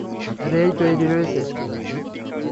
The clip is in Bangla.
রেই তৈরি রয়েছে।